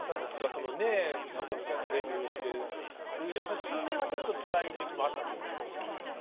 そのね直太朗さんがデビューしてやっぱり数年はちょっとつらい時期もあったということですね。